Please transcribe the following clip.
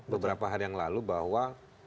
beberapa hari yang lalu bahwa